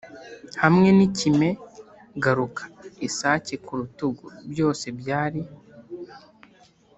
hamwe n'ikime, garuka, isake ku rutugu: byose byari